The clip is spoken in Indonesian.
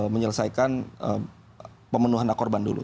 menyelesaikan pemenuhan hak korban dulu